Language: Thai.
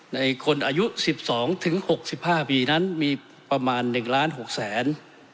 ในคนอายุ๑๒๖๕ปีนั้นมีประมาณ๑ล้าน๖แสน